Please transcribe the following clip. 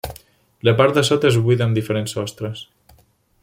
La part de sota és buida amb diferents sostres.